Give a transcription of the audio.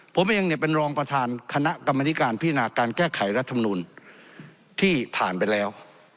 ผมเองเนี่ยเป็นรองประธานคณะกรรมนิการพินาการแก้ไขรัฐมนูลที่ผ่านไปแล้ว